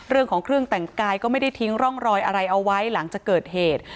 เรื่องของเครื่องแต่งกายก็ไม่ได้ทิ้งร่องรอยอะไรเอาไว้หลังจากเกิดเหตุ